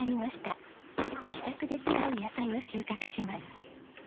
自宅で使う野菜を収穫します。